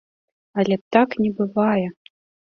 Але так не бывае!